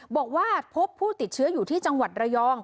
บอกว่าพบผู้ติดเชื้ออยู่ที่จังหวัดระยอง